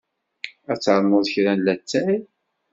Ad ternuḍ kra n lattay?